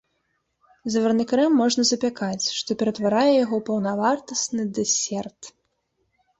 Заварны крэм можна запякаць, што ператварае яго ў паўнавартасны дэсерт.